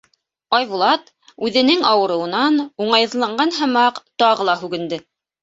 Айбулат, үҙенең ауырыуынан уңайһыҙланған һымаҡ, тағы ла һүгенде: